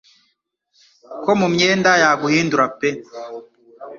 Ko mu myenda yaguhindura pe